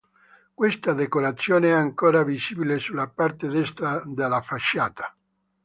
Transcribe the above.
Questa decorazione è ancora visibile sulla parte destra della facciata.